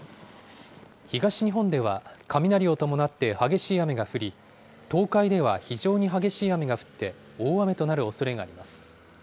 東日本では雷を伴って激しい雨が降り、東海では非常に激しい雨が降って、大雨となるおそれがあります。